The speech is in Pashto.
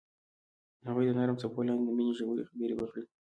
هغوی د نرم څپو لاندې د مینې ژورې خبرې وکړې.